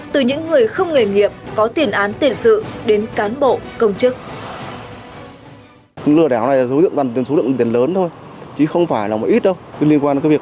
từ những người không nghề nghiệp có tiền án tiền sự đến cán bộ công chức